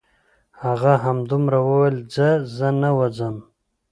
هغه همدومره وویل: ځه زه نه وځم.